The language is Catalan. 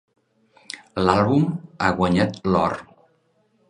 L'àlbum a guanyat l'or.